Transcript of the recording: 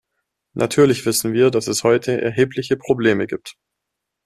Natürlich wissen wir, dass es heute erhebliche Probleme gibt.